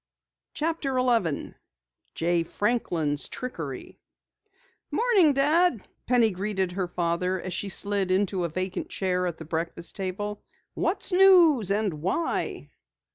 CHAPTER 11 JAY FRANKLIN'S TRICKERY "Morning, Dad," Penny greeted her father as she slid into a vacant chair at the breakfast table. "What's news and why?"